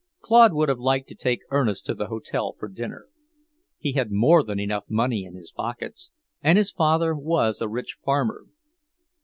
Claude would have liked to take Ernest to the hotel for dinner. He had more than enough money in his pockets; and his father was a rich farmer.